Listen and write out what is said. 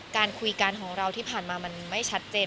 การคุยกันของเราที่ผ่านมามันไม่ชัดเจน